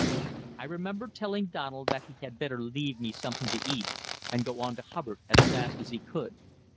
I remember telling Donald that he had better leave me something to eat, and go on to Hubbard as fast as he could.